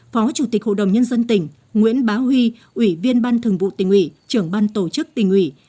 phó chủ tịch hội đồng nhân dân tỉnh nguyễn bá huy ủy viên ban thường vụ tỉnh ủy trưởng ban tổ chức tỉnh ủy